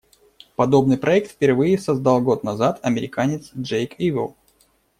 Подобный проект впервые создал год назад американец Джейк Ивел.